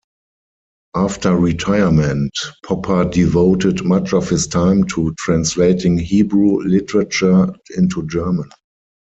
After retirement Popper devoted much of his time to translating Hebrew literature into German.